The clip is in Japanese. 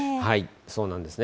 そうなんですね。